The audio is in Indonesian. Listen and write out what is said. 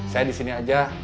saya disini aja